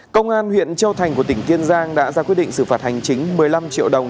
công an huyện châu thành của tỉnh kiên giang đã ra quyết định xử phạt hành chính một mươi năm triệu đồng